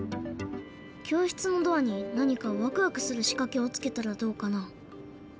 教室のドアに何かワクワクするしかけをつけたらどうかな？